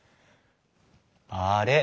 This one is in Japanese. あれ？